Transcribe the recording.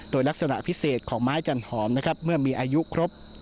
โดยลักษณะพิเศษของไม้จันหอมนะครับเมื่อมีอายุครบ